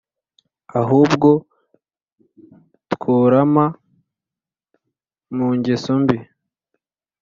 ahubwo tworama mu ngeso mbi!»